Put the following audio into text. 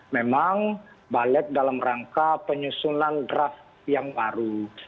memang balik dalam rangka penyusunan draft yang baru